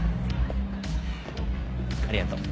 ありがとう。